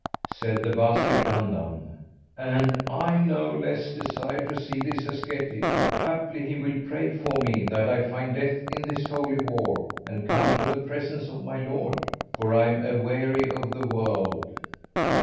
Said the Wazir Dandan, "And I no less desire to see this ascetic; haply he will pray for me that I find death in this Holy War and come to the presence of my Lord, for I am aweary of the world."